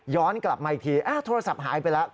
กลับมาอีกทีโทรศัพท์หายไปแล้ว